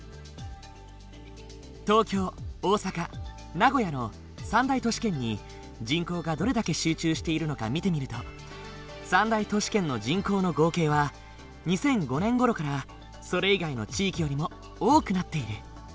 東京大阪名古屋の三大都市圏に人口がどれだけ集中しているのか見てみると三大都市圏の人口の合計は２００５年ごろからそれ以外の地域よりも多くなっている。